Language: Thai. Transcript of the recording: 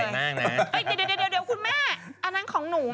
เดี๋ยวคุณแม่อันนั้นของหนู